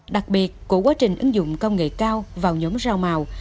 đặc biệt của quá trình ứng dụng công nghệ cao vào nhóm rau màu